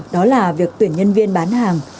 đó là việc tuyển nhân viên bán hàng